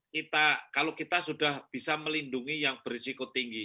kalau kita sudah bisa melindungi yang berisiko tinggi